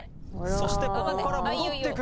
そしてここから戻ってくる。